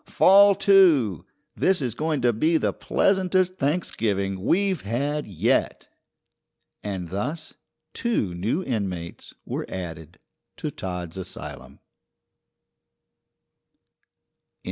Fall to! This is going to be the pleasantest Thanksgiving we've had yet." And thus two new inmates were added to Todd's asylum.